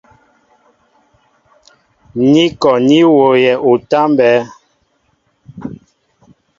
Ní kɔ ní wooyɛ utámbɛ́ɛ́.